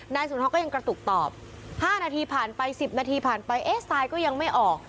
สุนทรก็ยังกระตุกตอบ๕นาทีผ่านไป๑๐นาทีผ่านไปเอ๊ะทรายก็ยังไม่ออก